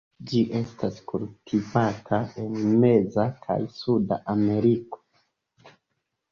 Ĝi estas kultivata en meza kaj suda Ameriko.